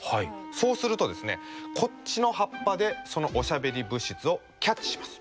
そうするとこっちの葉っぱでそのおしゃべり物質をキャッチします。